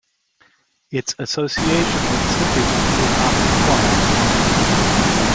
Its association with Sikhism is not implied.